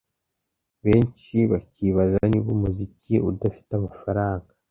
benshi bakibaza niba Umuziki udafite amafaranga